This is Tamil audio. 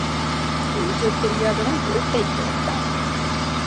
எழுதத் தெரியாதவன் ஏட்டைக் கெடுத்தான்.